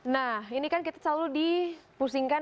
nah ini kan kita selalu dipusingkan